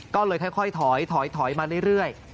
ก็เลยค่อยถอยถอยมาเรื่อย